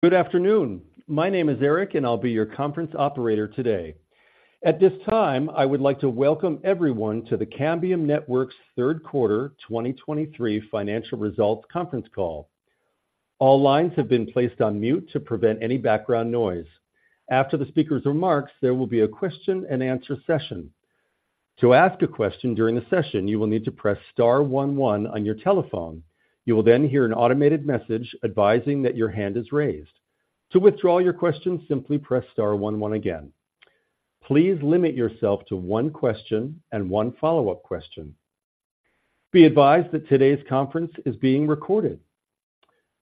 Good afternoon. My name is Eric, and I'll be your conference operator today. At this time, I would like to welcome everyone to the Cambium Networks third quarter 2023 financial results conference call. All lines have been placed on mute to prevent any background noise. After the speaker's remarks, there will be a question-and-answer session. To ask a question during the session, you will need to press star one one on your telephone. You will then hear an automated message advising that your hand is raised. To withdraw your question, simply press star one one again. Please limit yourself to one question and one follow-up question. Be advised that today's conference is being recorded.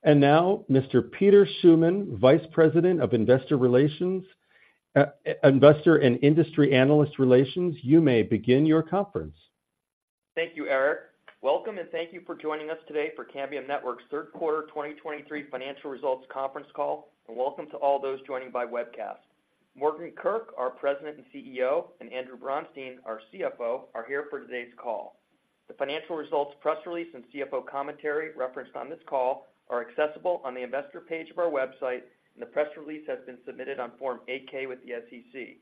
And now, Mr. Peter Schuman, Vice President of Investor Relations, Investor and Industry Analyst Relations, you may begin your conference. Thank you, Eric. Welcome, and thank you for joining us today for Cambium Networks' third quarter 2023 financial results conference call, and welcome to all those joining by webcast. Morgan Kurk, our President and CEO, and Andrew Bronstein, our CFO, are here for today's call. The financial results, press release, and CFO commentary referenced on this call are accessible on the investor page of our website, and the press release has been submitted on Form 8-K with the SEC.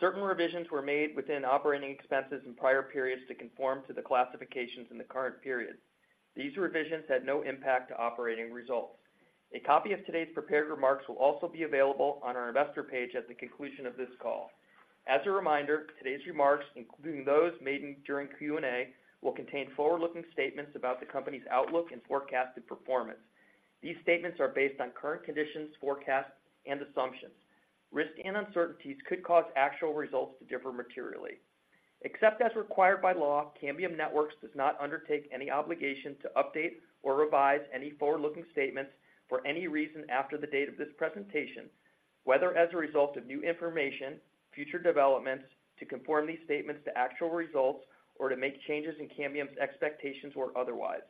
Certain revisions were made within operating expenses in prior periods to conform to the classifications in the current period. These revisions had no impact to operating results. A copy of today's prepared remarks will also be available on our investor page at the conclusion of this call. As a reminder, today's remarks, including those made during Q&A, will contain forward-looking statements about the company's outlook and forecasted performance. These statements are based on current conditions, forecasts, and assumptions. Risks and uncertainties could cause actual results to differ materially. Except as required by law, Cambium Networks does not undertake any obligation to update or revise any forward-looking statements for any reason after the date of this presentation, whether as a result of new information, future developments, to conform these statements to actual results, or to make changes in Cambium's expectations or otherwise.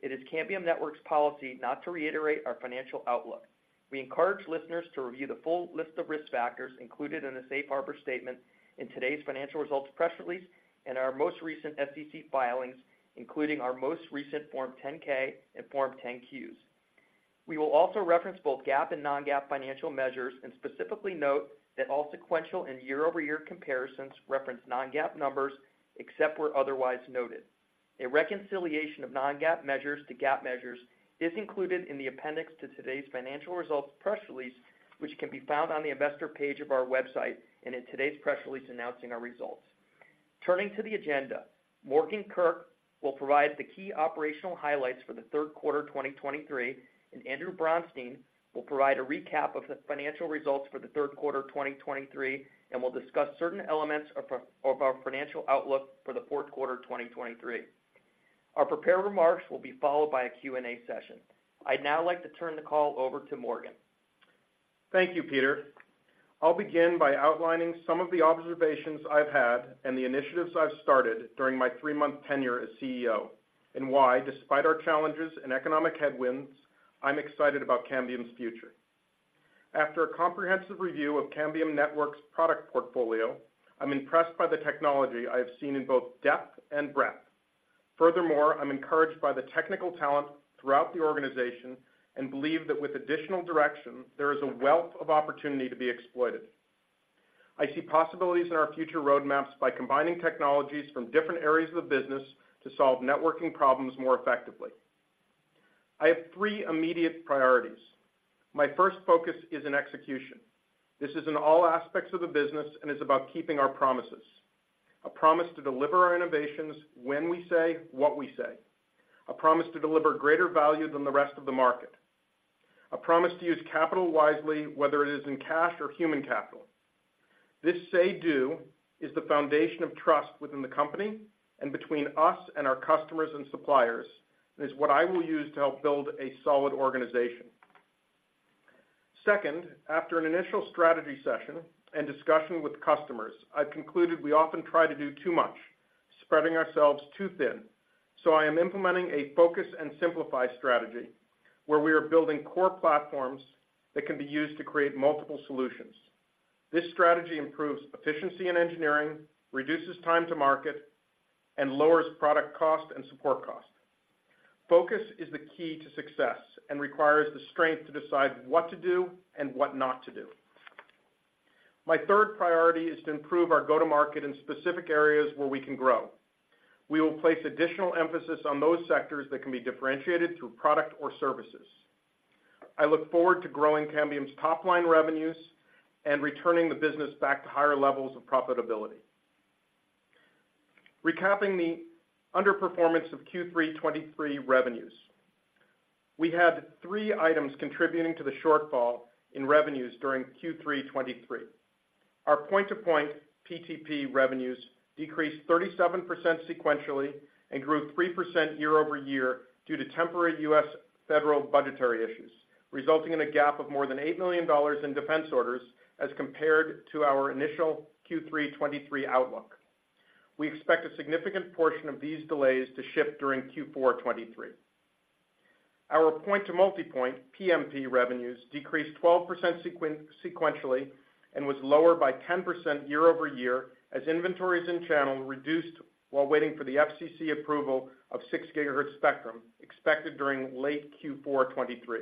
It is Cambium Networks' policy not to reiterate our financial outlook. We encourage listeners to review the full list of risk factors included in the safe harbor statement in today's financial results press release and our most recent SEC filings, including our most recent Form 10-K and Form 10-Qs. We will also reference both GAAP and non-GAAP financial measures, and specifically note that all sequential and year-over-year comparisons reference non-GAAP numbers, except where otherwise noted. A reconciliation of non-GAAP measures to GAAP measures is included in the appendix to today's financial results press release, which can be found on the investor page of our website and in today's press release announcing our results. Turning to the agenda, Morgan Kurk will provide the key operational highlights for the third quarter of 2023, and Andrew Bronstein will provide a recap of the financial results for the third quarter of 2023, and will discuss certain elements of our financial outlook for the fourth quarter of 2023. Our prepared remarks will be followed by a Q&A session. I'd now like to turn the call over to Morgan. Thank you, Peter. I'll begin by outlining some of the observations I've had and the initiatives I've started during my three-month tenure as CEO, and why, despite our challenges and economic headwinds, I'm excited about Cambium's future. After a comprehensive review of Cambium Networks' product portfolio, I'm impressed by the technology I have seen in both depth and breadth. Furthermore, I'm encouraged by the technical talent throughout the organization and believe that with additional direction, there is a wealth of opportunity to be exploited. I see possibilities in our future roadmaps by combining technologies from different areas of the business to solve networking problems more effectively. I have three immediate priorities. My first focus is in execution. This is in all aspects of the business and is about keeping our promises. A promise to deliver our innovations when we say, what we say. A promise to deliver greater value than the rest of the market. A promise to use capital wisely, whether it is in cash or human capital. This say-do is the foundation of trust within the company and between us and our customers and suppliers, and is what I will use to help build a solid organization. Second, after an initial strategy session and discussion with customers, I've concluded we often try to do too much, spreading ourselves too thin. So I am implementing a focus and simplify strategy, where we are building core platforms that can be used to create multiple solutions. This strategy improves efficiency in engineering, reduces time to market, and lowers product cost and support cost. Focus is the key to success and requires the strength to decide what to do and what not to do. My third priority is to improve our go-to-market in specific areas where we can grow. We will place additional emphasis on those sectors that can be differentiated through product or services. I look forward to growing Cambium's top-line revenues and returning the business back to higher levels of profitability. Recapping the underperformance of Q3 2023 revenues. We had three items contributing to the shortfall in revenues during Q3 2023. Our point-to-point, PTP, revenues decreased 37% sequentially and grew 3% year-over-year due to temporary U.S. federal budgetary issues, resulting in a gap of more than $8 million in defense orders as compared to our initial Q3 2023 outlook. We expect a significant portion of these delays to ship during Q4 2023. Our point-to-multipoint, PMP, revenues decreased 12% sequentially and was lower by 10% year-over-year, as inventories and channel reduced while waiting for the FCC approval of 6 GHz spectrum expected during late Q4 2023.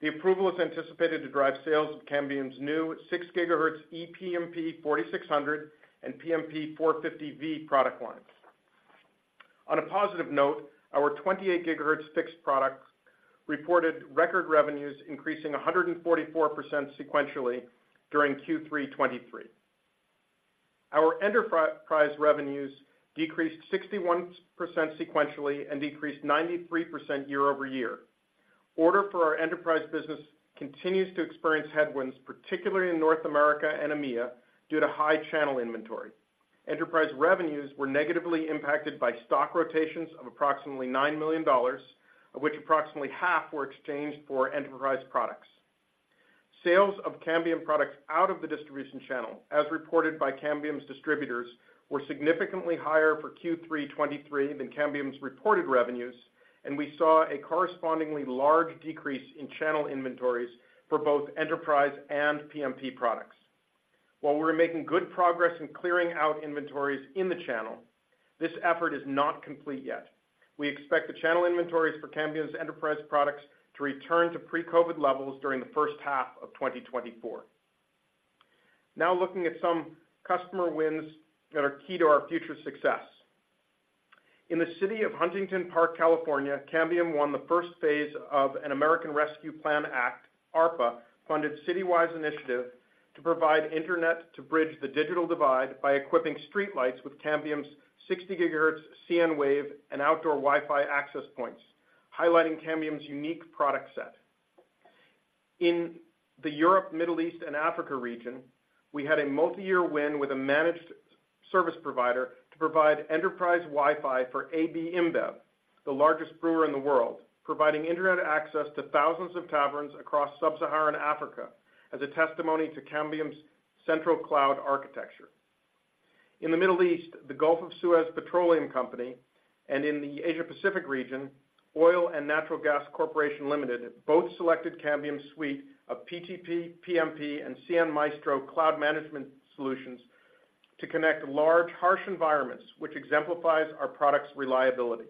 The approval is anticipated to drive sales of Cambium's new 6 GHz ePMP 4600 and PMP 450v product lines. On a positive note, our 28 GHz fixed products reported record revenues, increasing 144% sequentially during Q3 2023. Our enterprise revenues decreased 61% sequentially and decreased 93% year-over-year. Order for our enterprise business continues to experience headwinds, particularly in North America and EMEA, due to high channel inventory. Enterprise revenues were negatively impacted by stock rotations of approximately $9 million, of which approximately half were exchanged for enterprise products. Sales of Cambium products out of the distribution channel, as reported by Cambium's distributors, were significantly higher for Q3 2023 than Cambium's reported revenues, and we saw a correspondingly large decrease in channel inventories for both enterprise and PMP products. While we're making good progress in clearing out inventories in the channel, this effort is not complete yet. We expect the channel inventories for Cambium's enterprise products to return to pre-COVID levels during the first half of 2024. Now looking at some customer wins that are key to our future success. In the city of Huntington Park, California, Cambium won the first phase of an American Rescue Plan Act, ARPA, funded city-wide initiative to provide internet to bridge the digital divide by equipping streetlights with Cambium's 60 GHz cnWave and outdoor Wi-Fi access points, highlighting Cambium's unique product set. In the Europe, Middle East, and Africa region, we had a multi-year win with a managed service provider to provide enterprise Wi-Fi for AB InBev, the largest brewer in the world, providing internet access to thousands of taverns across sub-Saharan Africa as a testimony to Cambium's central cloud architecture. In the Middle East, the Gulf of Suez Petroleum Company, and in the Asia Pacific region, Oil and Natural Gas Corporation Limited, both selected Cambium's suite of PTP, PMP, and cnMaestro cloud management solutions to connect large, harsh environments, which exemplifies our product's reliability.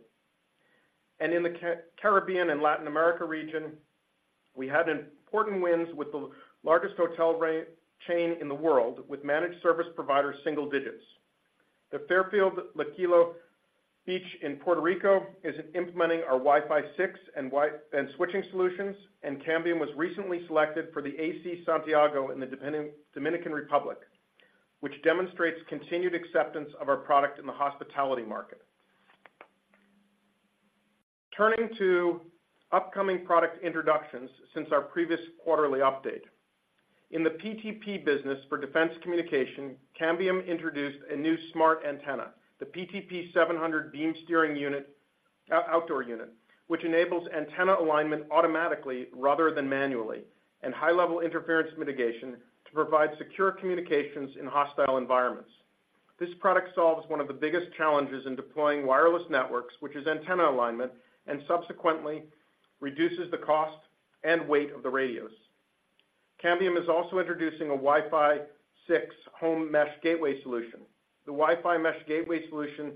In the Caribbean and Latin America region, we had important wins with the largest hotel chain in the world, with managed service provider, Single Digits. The Fairfield Luquillo Beach hotel in Puerto Rico is implementing our Wi-Fi 6 and Wi-Fi and switching solutions, and Cambium was recently selected for the AC Hotel Santiago in the Dominican Republic, which demonstrates continued acceptance of our product in the hospitality market. Turning to upcoming product introductions since our previous quarterly update. In the PTP business for defense communication, Cambium introduced a new smart antenna, the PTP 700 beam steering unit, outdoor unit, which enables antenna alignment automatically rather than manually, and high-level interference mitigation to provide secure communications in hostile environments. This product solves one of the biggest challenges in deploying wireless networks, which is antenna alignment, and subsequently reduces the cost and weight of the radios. Cambium is also introducing a Wi-Fi 6 home mesh gateway solution. The Wi-Fi mesh gateway solution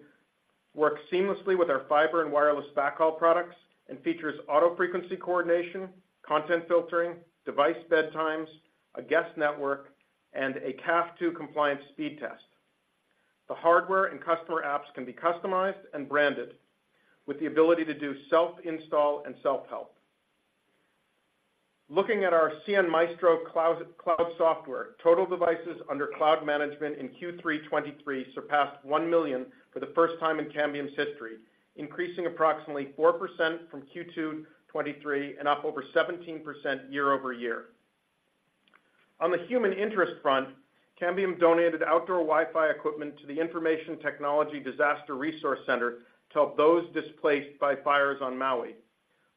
works seamlessly with our fiber and wireless backhaul products and features auto frequency coordination, content filtering, device bedtimes, a guest network, and a CAF II compliance speed test. The hardware and customer apps can be customized and branded with the ability to do self-install and self-help. Looking at our cnMaestro cloud, cloud software, total devices under cloud management in Q3 2023 surpassed 1 million for the first time in Cambium's history, increasing approximately 4% from Q2 2023, and up over 17% year-over-year. On the human interest front, Cambium donated outdoor Wi-Fi equipment to the Information Technology Disaster Resource Center to help those displaced by fires on Maui.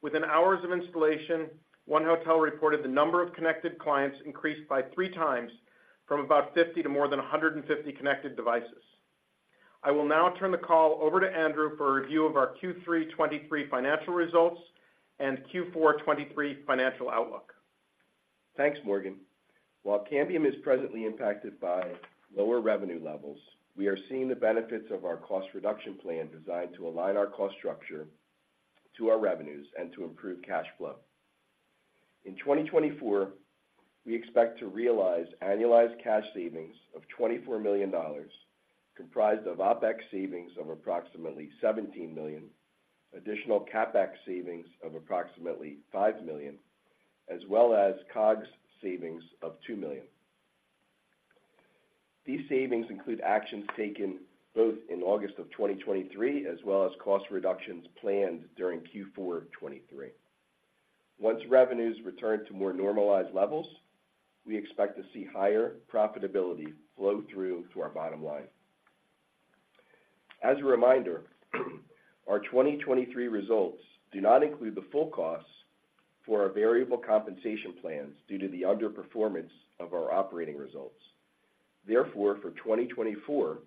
Within hours of installation, one hotel reported the number of connected clients increased by 3 times, from about 50 to more than 150 connected devices. I will now turn the call over to Andrew for a review of our Q3 2023 financial results and Q4 2023 financial outlook. Thanks, Morgan. While Cambium is presently impacted by lower revenue levels, we are seeing the benefits of our cost reduction plan designed to align our cost structure to our revenues and to improve cash flow. In 2024, we expect to realize annualized cash savings of $24 million, comprised of OpEx savings of approximately $17 million, additional CapEx savings of approximately $5 million, as well as COGS savings of $2 million. These savings include actions taken both in August of 2023, as well as cost reductions planned during Q4 of 2023. Once revenues return to more normalized levels, we expect to see higher profitability flow through to our bottom line. As a reminder, our 2023 results do not include the full costs for our variable compensation plans due to the underperformance of our operating results. Therefore, for 2024,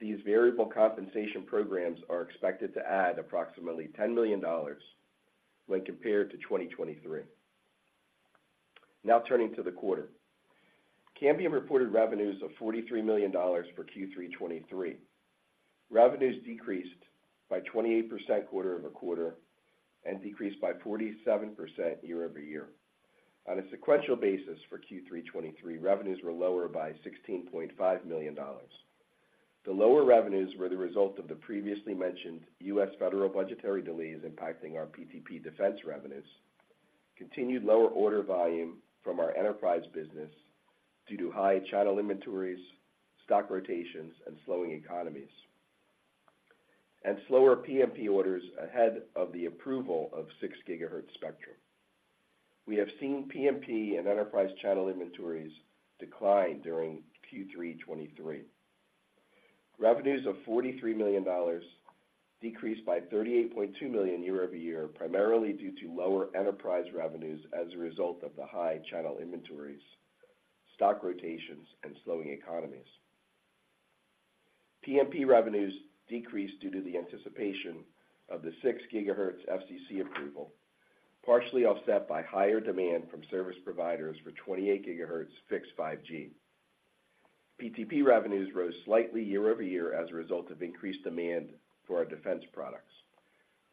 these variable compensation programs are expected to add approximately $10 million when compared to 2023. Now turning to the quarter. Cambium reported revenues of $43 million for Q3 2023. Revenues decreased by 28% quarter-over-quarter and decreased by 47% year-over-year. On a sequential basis for Q3 2023, revenues were lower by $16.5 million. The lower revenues were the result of the previously mentioned U.S. federal budgetary delays impacting our PTP defense revenues, continued lower order volume from our enterprise business due to high channel inventories, stock rotations, and slowing economies, and slower PMP orders ahead of the approval of 6 GHz spectrum. We have seen PMP and enterprise channel inventories decline during Q3 2023. Revenues of $43 million decreased by $38.2 million year-over-year, primarily due to lower enterprise revenues as a result of the high channel inventories, stock rotations, and slowing economies. PMP revenues decreased due to the anticipation of the 6 GHz FCC approval, partially offset by higher demand from service providers for 28 GHz fixed 5G. PTP revenues rose slightly year-over-year as a result of increased demand for our defense products.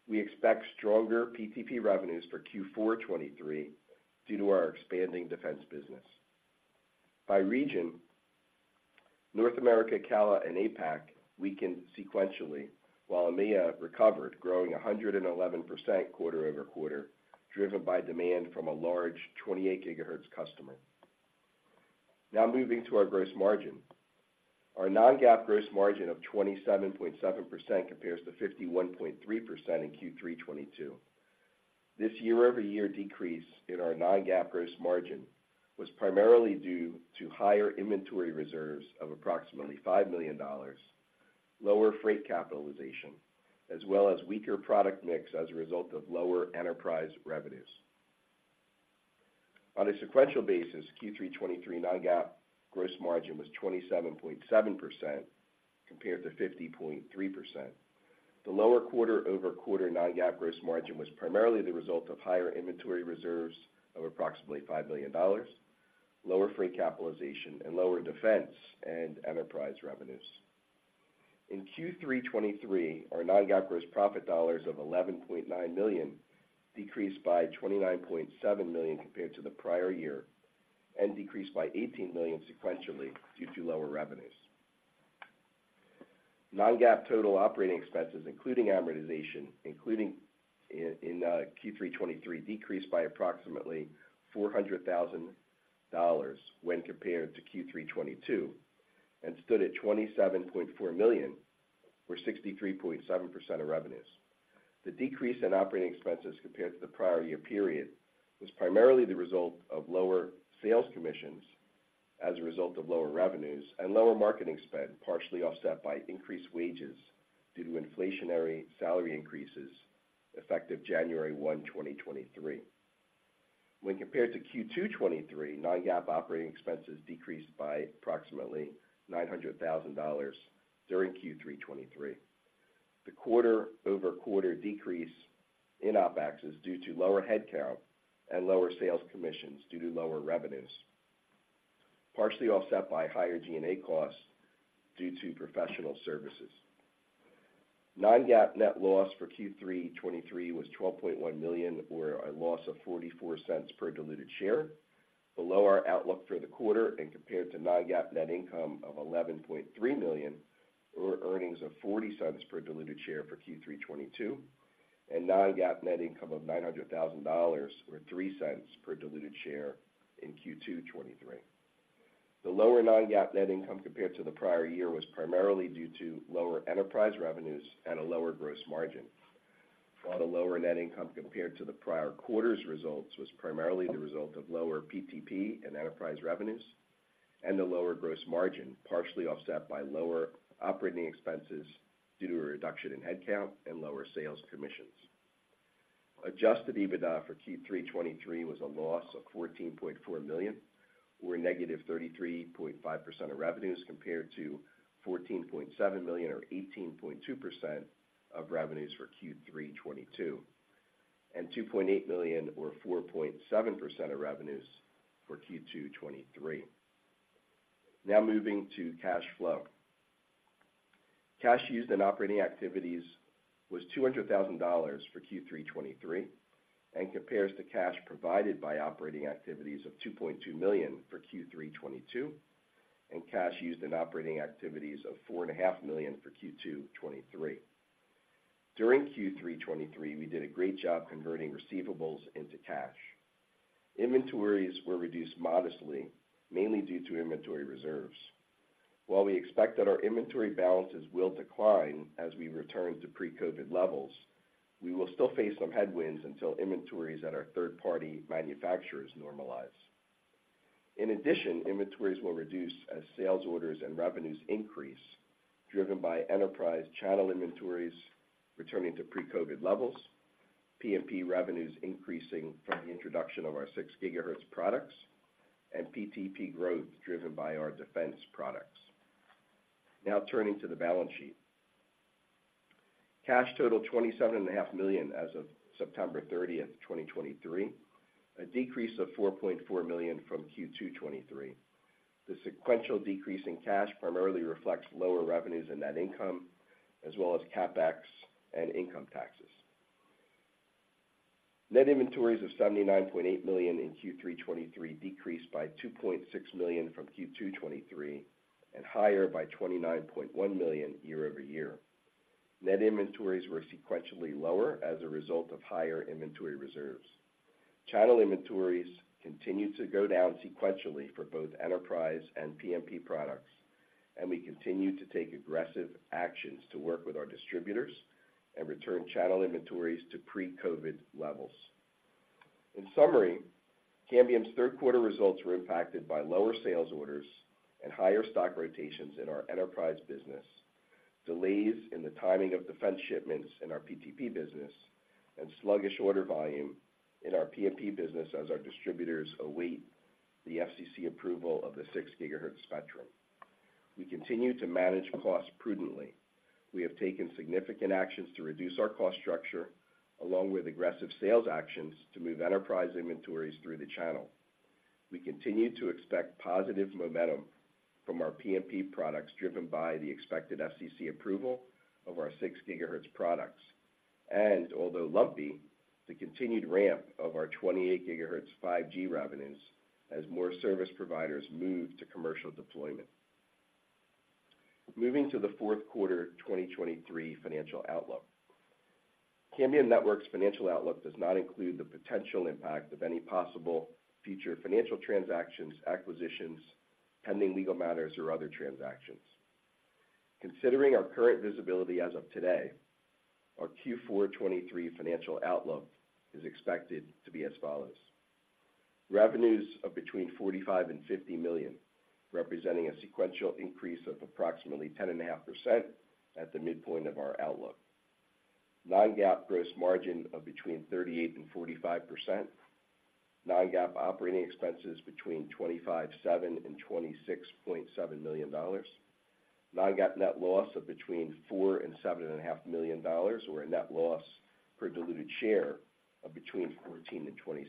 We expect stronger PTP revenues for Q4 2023 due to our expanding defense business. By region, North America, CALA, and APAC weakened sequentially, while EMEA recovered, growing 111% quarter-over-quarter, driven by demand from a large 28 GHz customer. Now moving to our gross margin. Our non-GAAP gross margin of 27.7% compares to 51.3% in Q3 2022. This year-over-year decrease in our non-GAAP gross margin was primarily due to higher inventory reserves of approximately $5 million, lower freight capitalization, as well as weaker product mix as a result of lower enterprise revenues. On a sequential basis, Q3 2023 non-GAAP gross margin was 27.7% compared to 50.3%. The lower quarter-over-quarter non-GAAP gross margin was primarily the result of higher inventory reserves of approximately $5 million, lower freight capitalization, and lower defense and enterprise revenues. In Q3 2023, our non-GAAP gross profit dollars of $11.9 million decreased by $29.7 million compared to the prior year and decreased by $18 million sequentially due to lower revenues. Non-GAAP total operating expenses, including amortization in Q3 2023, decreased by approximately $400,000 when compared to Q3 2022 and stood at $27.4 million, or 63.7% of revenues. The decrease in operating expenses compared to the prior year period was primarily the result of lower sales commissions as a result of lower revenues and lower marketing spend, partially offset by increased wages due to inflationary salary increases effective January 1, 2023. When compared to Q2 2023, non-GAAP operating expenses decreased by approximately $900,000 during Q3 2023. The quarter-over-quarter decrease in OpEx is due to lower headcount and lower sales commissions due to lower revenues, partially offset by higher G&A costs due to professional services. Non-GAAP net loss for Q3 2023 was $12.1 million, or a loss of $0.44 per diluted share, below our outlook for the quarter and compared to non-GAAP net income of $11.3 million, or earnings of $0.40 per diluted share for Q3 2022, and non-GAAP net income of $900,000, or $0.03 per diluted share in Q2 2023. The lower non-GAAP net income compared to the prior year was primarily due to lower enterprise revenues and a lower gross margin, while the lower net income compared to the prior quarter's results was primarily the result of lower PTP and enterprise revenues and a lower gross margin, partially offset by lower operating expenses due to a reduction in headcount and lower sales commissions. Adjusted EBITDA for Q3 2023 was a loss of $14.4 million, or -33.5% of revenues, compared to $14.7 million, or 18.2% of revenues for Q3 2022, and $2.8 million, or 4.7% of revenues for Q2 2023. Now moving to cash flow. Cash used in operating activities was $200,000 for Q3 2023 and compares to cash provided by operating activities of $2.2 million for Q3 2022, and cash used in operating activities of $4.5 million for Q2 2023. During Q3 2023, we did a great job converting receivables into cash. Inventories were reduced modestly, mainly due to inventory reserves. While we expect that our inventory balances will decline as we return to pre-COVID levels, we will still face some headwinds until inventories at our third-party manufacturers normalize. In addition, inventories will reduce as sales orders and revenues increase, driven by enterprise channel inventories returning to pre-COVID levels, PMP revenues increasing from the introduction of our 6 GHz products, and PTP growth driven by our defense products. Now turning to the balance sheet. Cash totaled $27.5 million as of September 30, 2023, a decrease of $4.4 million from Q2 2023. The sequential decrease in cash primarily reflects lower revenues and net income, as well as CapEx and income taxes. Net inventories of $79.8 million in Q3 2023 decreased by $2.6 million from Q2 2023 and higher by $29.1 million year-over-year. Net inventories were sequentially lower as a result of higher inventory reserves. Channel inventories continued to go down sequentially for both enterprise and PMP products, and we continue to take aggressive actions to work with our distributors and return channel inventories to pre-COVID levels. In summary, Cambium's third quarter results were impacted by lower sales orders and higher stock rotations in our enterprise business, delays in the timing of defense shipments in our PTP business, and sluggish order volume in our PMP business as our distributors await the FCC approval of the 6 GHz spectrum. We continue to manage costs prudently. We have taken significant actions to reduce our cost structure, along with aggressive sales actions to move enterprise inventories through the channel. We continue to expect positive momentum from our PMP products, driven by the expected FCC approval of our 6 GHz products, and although lumpy, the continued ramp of our 28 GHz 5G revenues as more service providers move to commercial deployment. Moving to the fourth quarter 2023 financial outlook. Cambium Networks' financial outlook does not include the potential impact of any possible future financial transactions, acquisitions, pending legal matters, or other transactions. Considering our current visibility as of today, our Q4 2023 financial outlook is expected to be as follows: Revenues of between $45 million and $50 million, representing a sequential increase of approximately 10.5% at the midpoint of our outlook. Non-GAAP gross margin of between 38% and 45%. Non-GAAP operating expenses between $25.7 million and $26.7 million. Non-GAAP net loss of between $4 million and $7.5 million, or a net loss per diluted share of between $0.14 and $0.27.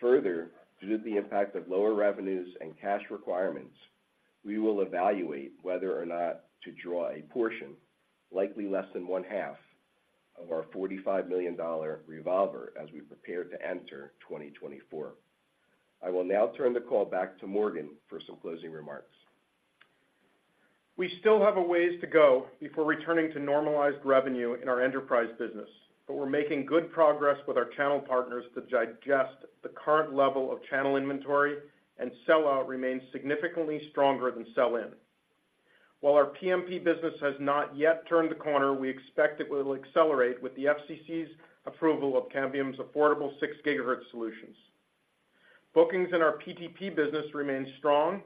Further, due to the impact of lower revenues and cash requirements, we will evaluate whether or not to draw a portion, likely less than one half, of our $45 million revolver as we prepare to enter 2024. I will now turn the call back to Morgan for some closing remarks. We still have a ways to go before returning to normalized revenue in our enterprise business, but we're making good progress with our channel partners to digest the current level of channel inventory, and sell-out remains significantly stronger than sell-in. While our PMP business has not yet turned the corner, we expect it will accelerate with the FCC's approval of Cambium's affordable 6 GHz solutions. Bookings in our PTP business remain strong.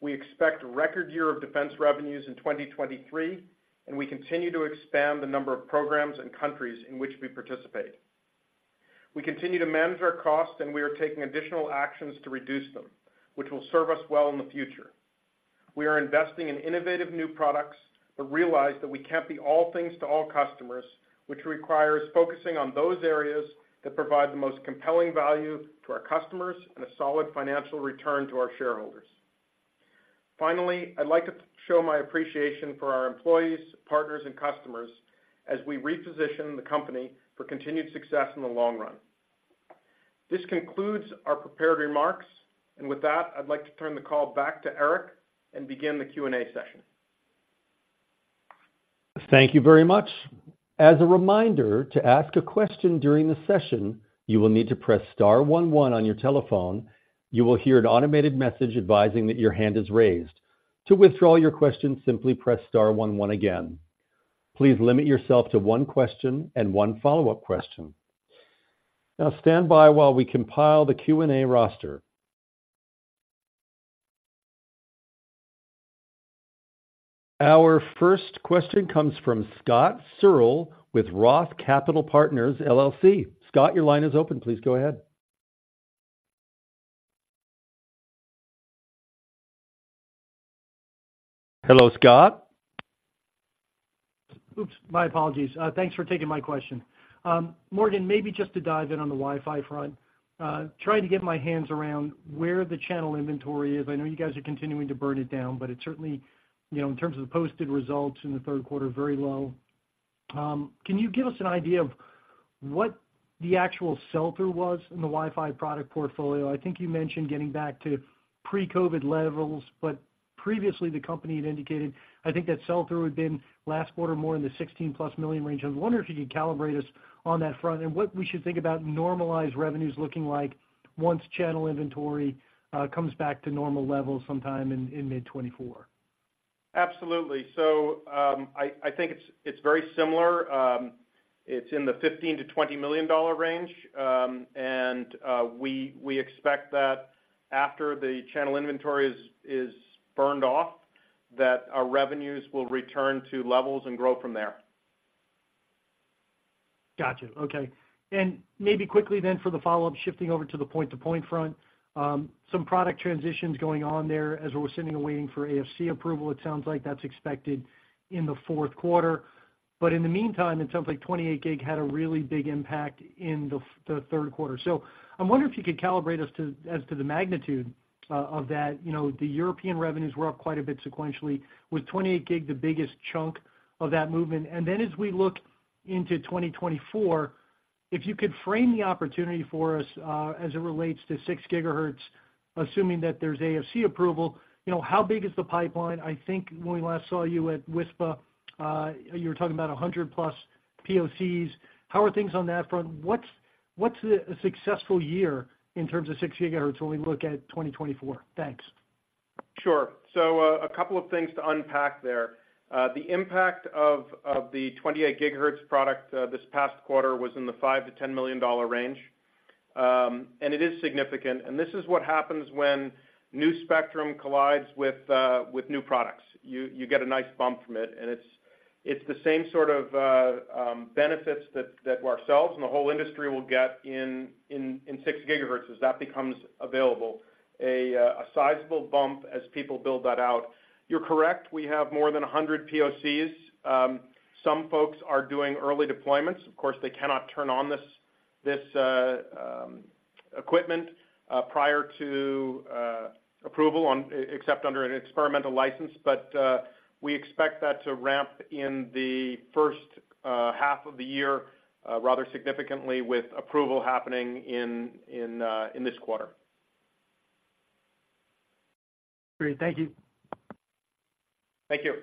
We expect a record year of defense revenues in 2023, and we continue to expand the number of programs and countries in which we participate. We continue to manage our costs, and we are taking additional actions to reduce them, which will serve us well in the future. We are investing in innovative new products, but realize that we can't be all things to all customers, which requires focusing on those areas that provide the most compelling value to our customers and a solid financial return to our shareholders. Finally, I'd like to show my appreciation for our employees, partners, and customers as we reposition the company for continued success in the long run. This concludes our prepared remarks, and with that, I'd like to turn the call back to Eric and begin the Q&A session. Thank you very much. As a reminder, to ask a question during the session, you will need to press star one one on your telephone. You will hear an automated message advising that your hand is raised. To withdraw your question, simply press star one one again. Please limit yourself to one question and one follow-up question. Now stand by while we compile the Q&A roster. Our first question comes from Scott Searle with Roth Capital Partners, LLC. Scott, your line is open. Please go ahead. Hello, Scott? Oops, my apologies. Thanks for taking my question. Morgan, maybe just to dive in on the Wi-Fi front, trying to get my hands around where the channel inventory is. I know you guys are continuing to burn it down, but it's certainly, you know, in terms of the posted results in the third quarter, very low. Can you give us an idea of what the actual sell-through was in the Wi-Fi product portfolio? I think you mentioned getting back to pre-COVID levels, but previously the company had indicated, I think, that sell-through had been last quarter, more in the $16+ million range. I was wondering if you could calibrate us on that front and what we should think about normalized revenues looking like once channel inventory comes back to normal levels sometime in mid-2024. Absolutely. So, I think it's very similar. It's in the $15 million-$20 million range. And we expect that after the channel inventory is burned off, that our revenues will return to levels and grow from there.... Gotcha. Okay. And maybe quickly then for the follow-up, shifting over to the point-to-point front, some product transitions going on there as we're sitting and waiting for AFC approval. It sounds like that's expected in the fourth quarter, but in the meantime, it sounds like 28 GHz had a really big impact in the third quarter. So I'm wondering if you could calibrate us to the magnitude of that. You know, the European revenues were up quite a bit sequentially with 28 GHz, the biggest chunk of that movement. And then as we look into 2024, if you could frame the opportunity for us, as it relates to 6 GHz, assuming that there's AFC approval, you know, how big is the pipeline? I think when we last saw you at WISPA, you were talking about 100+ POCs. How are things on that front? What's a successful year in terms of 6 GHz when we look at 2024? Thanks. Sure. So, a couple of things to unpack there. The impact of the 28 gigahertz product this past quarter was in the $5 million-$10 million range. And it is significant, and this is what happens when new spectrum collides with new products. You get a nice bump from it, and it's the same sort of benefits that ourselves and the whole industry will get in 6 gigahertz as that becomes available. A sizable bump as people build that out. You're correct, we have more than 100 POCs. Some folks are doing early deployments. Of course, they cannot turn on this equipment prior to approval except under an experimental license. We expect that to ramp in the first half of the year rather significantly with approval happening in this quarter. Great. Thank you. Thank you.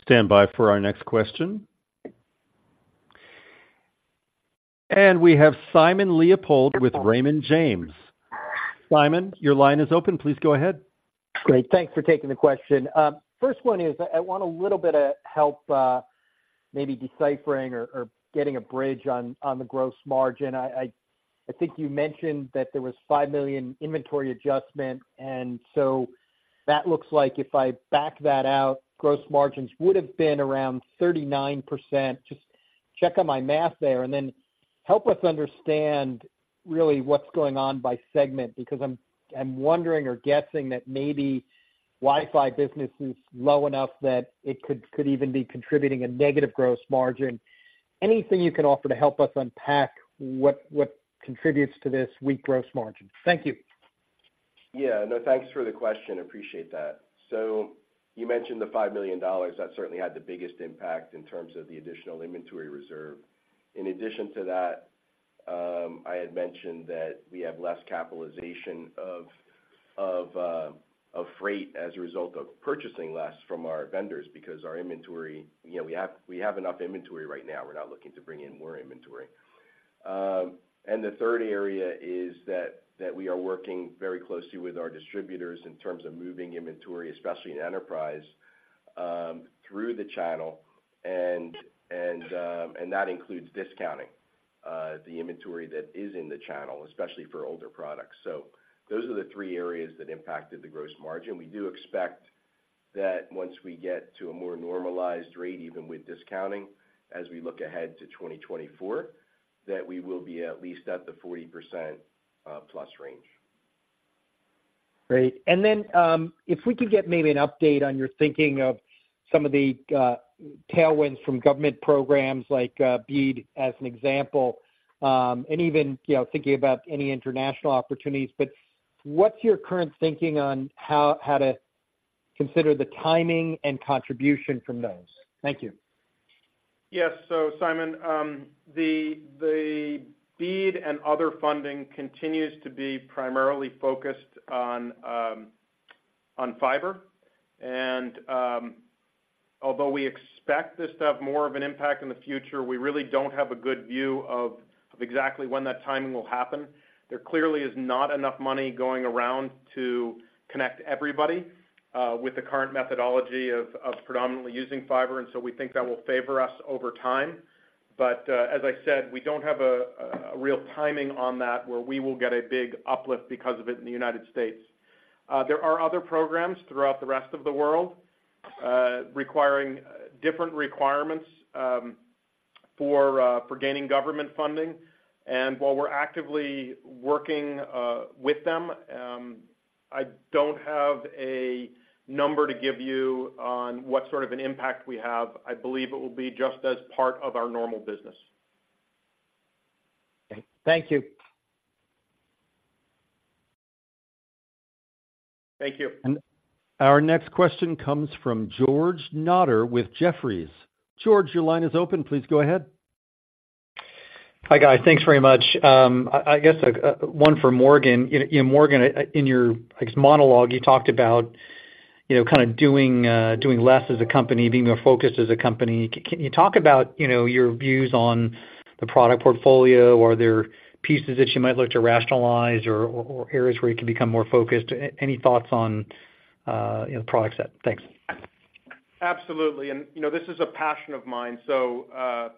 Standby for our next question. We have Simon Leopold with Raymond James. Simon, your line is open. Please go ahead. Great. Thanks for taking the question. First one is, I want a little bit of help, maybe deciphering or getting a bridge on the gross margin. I think you mentioned that there was $5 million inventory adjustment, and so that looks like if I back that out, gross margins would have been around 39%. Just check on my math there, and then help us understand really what's going on by segment, because I'm wondering or guessing that maybe Wi-Fi business is low enough that it could even be contributing a negative gross margin. Anything you can offer to help us unpack what contributes to this weak gross margin? Thank you. Yeah. No, thanks for the question. Appreciate that. So you mentioned the $5 million. That certainly had the biggest impact in terms of the additional inventory reserve. In addition to that, I had mentioned that we have less capitalization of freight as a result of purchasing less from our vendors because our inventory, you know, we have enough inventory right now. We're not looking to bring in more inventory. And the third area is that we are working very closely with our distributors in terms of moving inventory, especially in enterprise, through the channel. And that includes discounting the inventory that is in the channel, especially for older products. So those are the three areas that impacted the gross margin. We do expect that once we get to a more normalized rate, even with discounting, as we look ahead to 2024, that we will be at least at the 40%+ range. Great. And then, if we could get maybe an update on your thinking of some of the tailwinds from government programs like BEAD, as an example, and even, you know, thinking about any international opportunities, but what's your current thinking on how to consider the timing and contribution from those? Thank you. Yes. So Simon, the BEAD and other funding continues to be primarily focused on fiber. And, although we expect this to have more of an impact in the future, we really don't have a good view of exactly when that timing will happen. There clearly is not enough money going around to connect everybody with the current methodology of predominantly using fiber, and so we think that will favor us over time. But, as I said, we don't have a real timing on that, where we will get a big uplift because of it in the United States. There are other programs throughout the rest of the world requiring different requirements for gaining government funding. While we're actively working with them, I don't have a number to give you on what sort of an impact we have. I believe it will be just as part of our normal business. Okay. Thank you. Thank you. Our next question comes from George Notter with Jefferies. George, your line is open. Please go ahead. Hi, guys. Thanks very much. I guess one for Morgan. You know, Morgan, in your, I guess, monologue, you talked about, you know, kind of doing less as a company, being more focused as a company. Can you talk about, you know, your views on the product portfolio? Are there pieces that you might look to rationalize or areas where you can become more focused? Any thoughts on, you know, product set? Thanks. Absolutely. And, you know, this is a passion of mine. I'll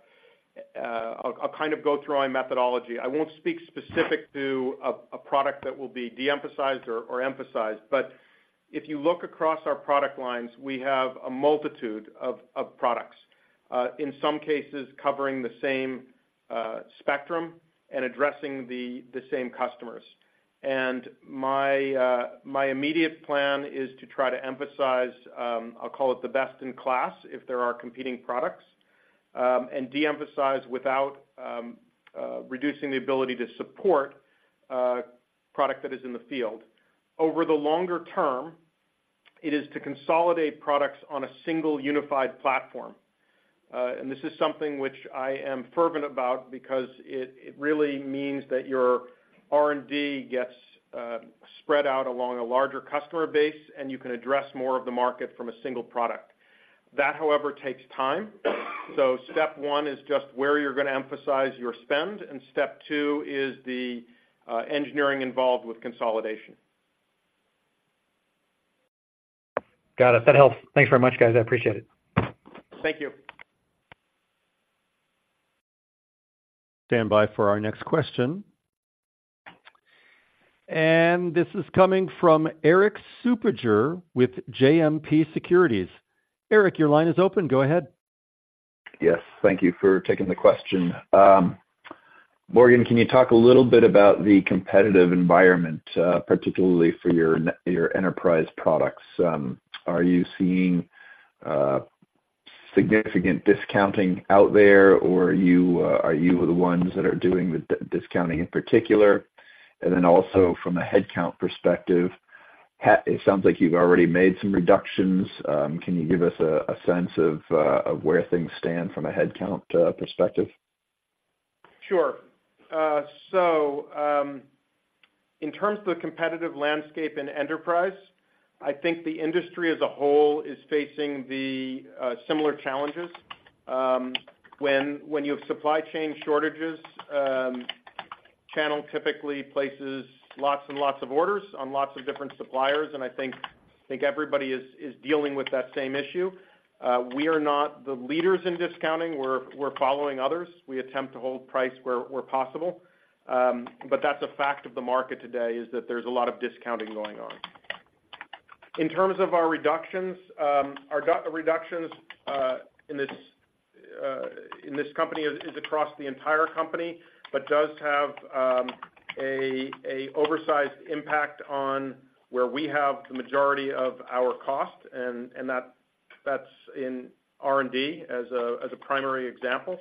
kind of go through our methodology. I won't speak specific to a product that will be de-emphasized or emphasized, but if you look across our product lines, we have a multitude of products, in some cases, covering the same spectrum and addressing the same customers. And my immediate plan is to try to emphasize, I'll call it the best-in-class, if there are competing products, and de-emphasize without reducing the ability to support a product that is in the field. Over the longer term, it is to consolidate products on a single unified platform. And this is something which I am fervent about because it really means that your R&D gets spread out along a larger customer base, and you can address more of the market from a single product. That, however, takes time. So step one is just where you're gonna emphasize your spend, and step two is the engineering involved with consolidation. Got it. That helps. Thanks very much, guys. I appreciate it. Thank you. Standby for our next question. This is coming from Erik Suppiger with JMP Securities. Eric, your line is open. Go ahead. Yes, thank you for taking the question. Morgan, can you talk a little bit about the competitive environment, particularly for your your enterprise products? Are you seeing significant discounting out there, or are you the ones that are doing the discounting, in particular? And then also, from a headcount perspective, it sounds like you've already made some reductions. Can you give us a sense of where things stand from a headcount perspective? Sure. So, in terms of the competitive landscape in enterprise, I think the industry as a whole is facing the similar challenges. When you have supply chain shortages, channel typically places lots and lots of orders on lots of different suppliers, and I think everybody is dealing with that same issue. We are not the leaders in discounting. We're following others. We attempt to hold price where possible. But that's a fact of the market today, is that there's a lot of discounting going on. In terms of our reductions, our reductions in this company is across the entire company, but does have a oversized impact on where we have the majority of our cost, and that's in R&D as a primary example.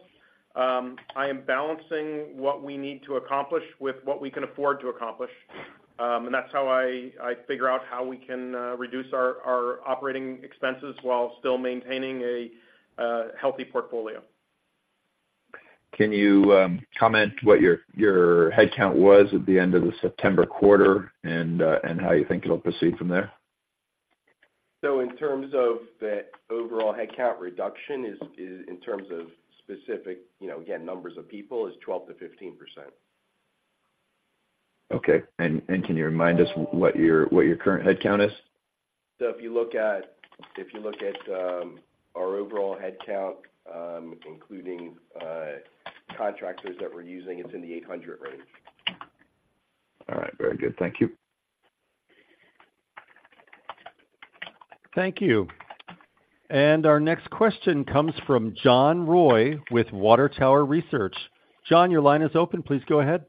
I am balancing what we need to accomplish with what we can afford to accomplish, and that's how I figure out how we can reduce our operating expenses while still maintaining a healthy portfolio. Can you comment what your headcount was at the end of the September quarter and how you think it'll proceed from there? So in terms of the overall headcount reduction is in terms of specific, you know, again, numbers of people, is 12%-15%. Okay. And can you remind us what your current headcount is? So if you look at, if you look at our overall headcount, including contractors that we're using, it's in the 800 range. All right. Very good. Thank you. Thank you. Our next question comes from John Roy with Water Tower Research. John, your line is open. Please go ahead.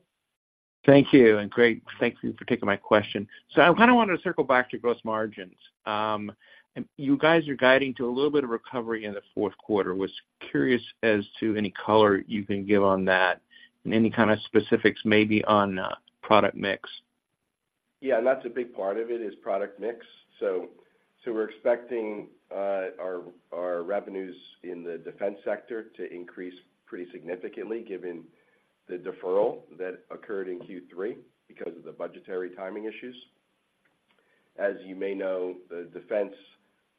Thank you, and great, thank you for taking my question. So I kind of wanted to circle back to gross margins. And you guys are guiding to a little bit of recovery in the fourth quarter. Was curious as to any color you can give on that and any kind of specifics, maybe on product mix. Yeah, and that's a big part of it, is product mix. So, we're expecting our revenues in the defense sector to increase pretty significantly, given the deferral that occurred in Q3 because of the budgetary timing issues. As you may know, the defense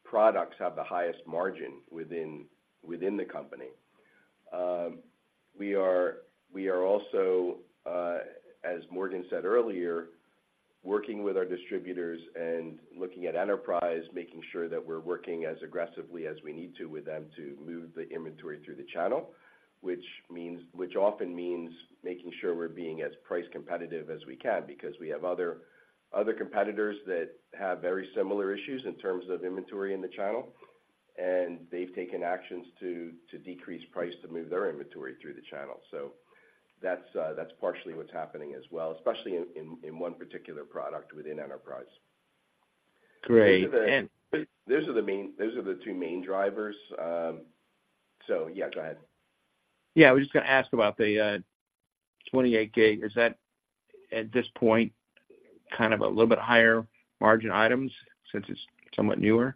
products have the highest margin within the company. We are also, as Morgan said earlier, working with our distributors and looking at enterprise, making sure that we're working as aggressively as we need to with them to move the inventory through the channel. Which often means making sure we're being as price competitive as we can, because we have other competitors that have very similar issues in terms of inventory in the channel, and they've taken actions to decrease price to move their inventory through the channel. So that's partially what's happening as well, especially in one particular product within enterprise. Great, and- Those are the main, those are the two main drivers. So, yeah, go ahead. Yeah, I was just gonna ask about the 28 gig. Is that, at this point, kind of a little bit higher margin items since it's somewhat newer?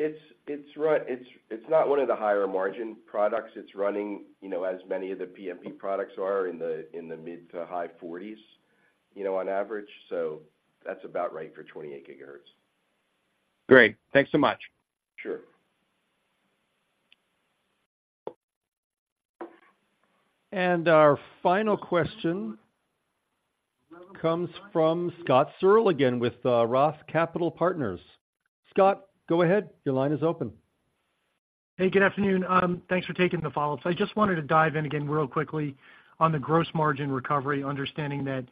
It's not one of the higher margin products. It's running, you know, as many of the PMP products are in the mid- to high 40s, you know, on average. So that's about right for 28 GHz. Great. Thanks so much. Sure. Our final question comes from Scott Searle again with Roth Capital Partners. Scott, go ahead. Your line is open. Hey, good afternoon. Thanks for taking the follow-up. I just wanted to dive in again real quickly on the gross margin recovery, understanding that,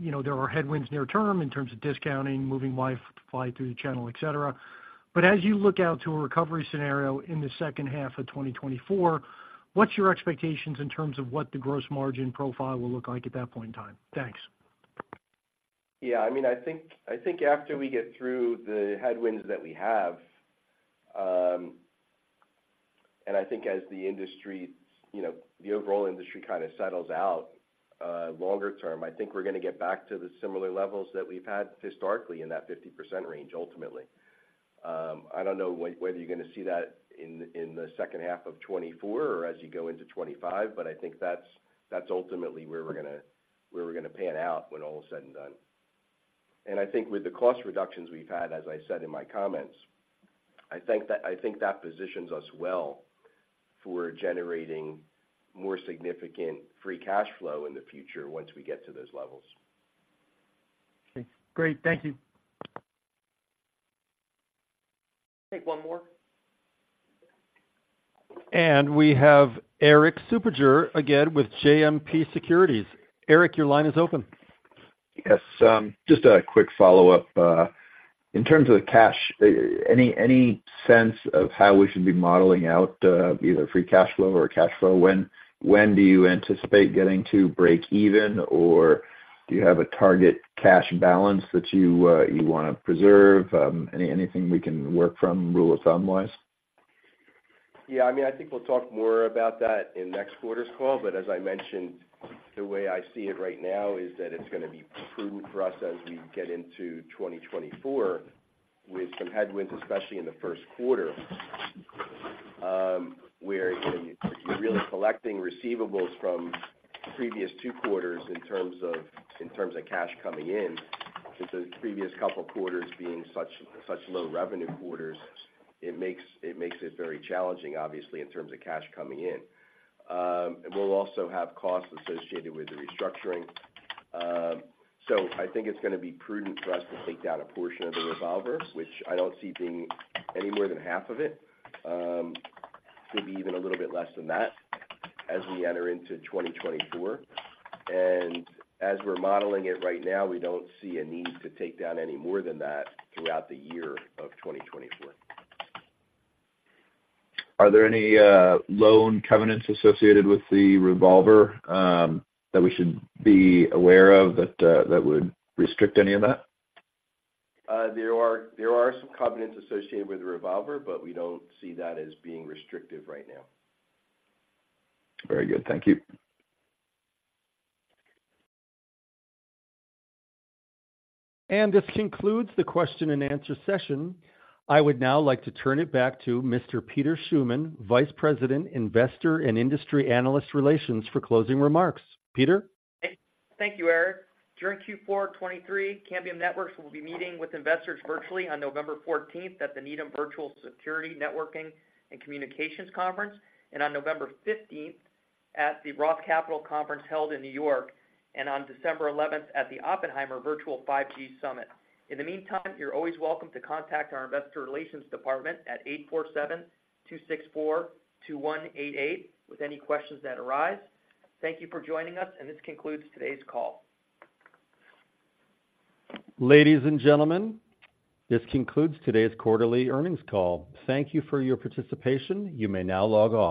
you know, there are headwinds near term in terms of discounting, moving life supply through the channel, et cetera. But as you look out to a recovery scenario in the second half of 2024, what's your expectations in terms of what the gross margin profile will look like at that point in time? Thanks. Yeah, I mean, I think, I think after we get through the headwinds that we have, and I think as the industry, you know, the overall industry kind of settles out, longer term, I think we're gonna get back to the similar levels that we've had historically in that 50% range, ultimately. I don't know whether you're gonna see that in, in the second half of 2024 or as you go into 2025, but I think that's, that's ultimately where we're gonna, where we're gonna pan out when all is said and done. And I think with the cost reductions we've had, as I said in my comments, I think that, I think that positions us well for generating more significant free cash flow in the future once we get to those levels. Okay, great. Thank you. Take one more. We have Erik Suppiger again with JMP Securities. Eric, your line is open. Yes, just a quick follow-up. In terms of the cash, any sense of how we should be modeling out either free cash flow or cash flow? When do you anticipate getting to break even, or do you have a target cash balance that you wanna preserve? Anything we can work from rule of thumb-wise? Yeah, I mean, I think we'll talk more about that in next quarter's call. But as I mentioned, the way I see it right now is that it's gonna be prudent for us as we get into 2024 with some headwinds, especially in the first quarter, where, you know, you're really collecting receivables from previous two quarters in terms of cash coming in. Since the previous couple of quarters being such low revenue quarters, it makes it very challenging, obviously, in terms of cash coming in. And we'll also have costs associated with the restructuring. So I think it's gonna be prudent for us to take down a portion of the revolver, which I don't see being any more than half of it, maybe even a little bit less than that, as we enter into 2024. As we're modeling it right now, we don't see a need to take down any more than that throughout the year of 2024. Are there any loan covenants associated with the revolver that we should be aware of that would restrict any of that? There are some covenants associated with the revolver, but we don't see that as being restrictive right now. Very good. Thank you. This concludes the question-and-answer session. I would now like to turn it back to Mr. Peter Schuman, Vice President, Investor and Industry Analyst Relations, for closing remarks. Peter? Thank you, Eric. During Q4 2023, Cambium Networks will be meeting with investors virtually on November fourteenth at the Needham Virtual Security, Networking, and Communications Conference, and on November fifteenth at the Roth Capital Conference held in New York, and on December eleventh at the Oppenheimer Virtual 5G Summit. In the meantime, you're always welcome to contact our investor relations department at 847-264-2188 with any questions that arise. Thank you for joining us, and this concludes today's call. Ladies and gentlemen, this concludes today's quarterly earnings call. Thank you for your participation. You may now log off.